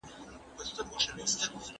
که وخت وي، ليکلي پاڼي ترتيب کوم!